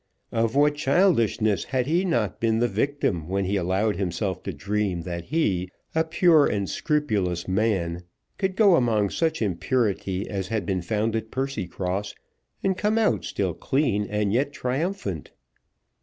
Of what childishness had he not been the victim when he allowed himself to dream that he, a pure and scrupulous man, could go among such impurity as he had found at Percycross, and come out, still clean and yet triumphant?